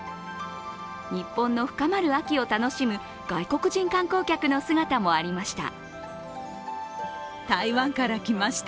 日本の深まる秋を楽しむ外国人観光客の姿もありました。